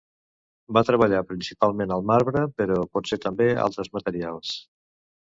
Va treballar principalment el marbre, però potser també altres materials.